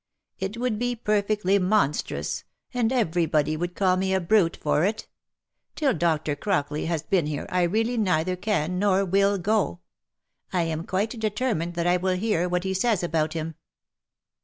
It would be perfectly monstrous, and every body would call me a brute for it. Till Dr. Crockley has been here, I really neither can nor will go. I am quite determined that I will hear what he says about him."